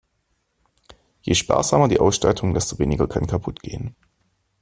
Je sparsamer die Ausstattung, desto weniger kann kaputt gehen.